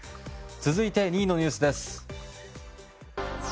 続いて、２位のニュースです。